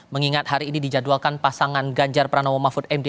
mengingat hari ini dijadwalkan pasangan ganjar pranowo mahfud md